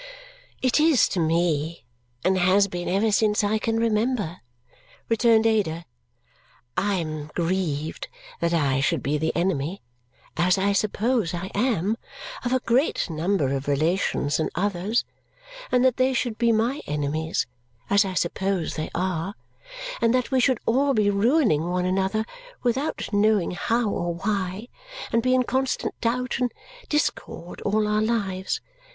"It is to me, and has been ever since I can remember," returned Ada. "I am grieved that I should be the enemy as I suppose I am of a great number of relations and others, and that they should be my enemies as I suppose they are and that we should all be ruining one another without knowing how or why and be in constant doubt and discord all our lives.